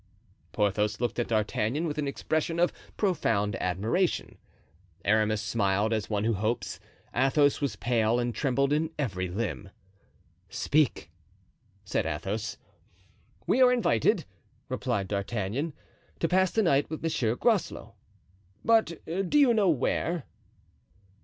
Porthos looked at D'Artagnan with an expression of profound admiration. Aramis smiled as one who hopes. Athos was pale, and trembled in every limb. "Speak," said Athos. "We are invited," replied D'Artagnan, "to pass the night with M. Groslow. But do you know where?"